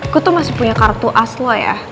aku tuh masih punya kartu aslo ya